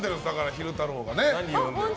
昼太郎がね。